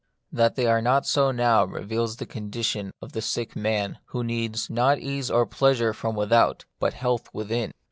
That they are not so now reveals the condition of the sick man, who needs, not ease or pleasure from without, but health within.